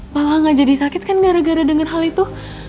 papa nggak jadi sakit kan gara gara dengan hal itu